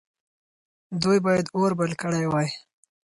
دوی باید اور بل کړی وای.